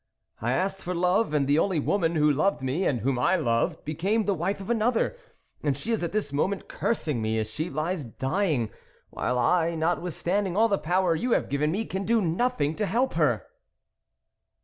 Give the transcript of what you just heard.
I asked for love, and the only woman, who loved me and whom I loved became the wife of another, and she is at this mo ment cursing me as she lies dying, while I, notwithstanding all the power you have given me, can do nothing to help her